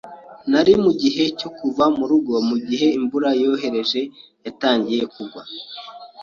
Nari mugihe cyo kuva murugo mugihe imvura yoroheje yatangiye kugwa.